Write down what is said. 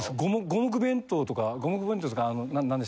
五目弁当とか五目弁当っていうんですか。